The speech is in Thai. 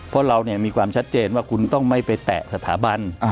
เพราะเรามีความชัดเจนว่าคุณต้องไม่ไปแตะสถาบัน